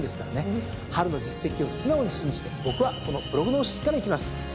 春の実績を素直に信じて僕はこのプログノーシスからいきます。